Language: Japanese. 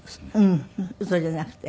ウソじゃなくて。